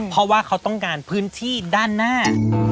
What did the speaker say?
เพราะว่าเขาต้องการพื้นที่ด้านหน้า